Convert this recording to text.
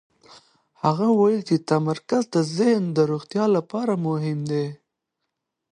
هغه وویل چې تمرکز د ذهن د روغتیا لپاره مهم دی.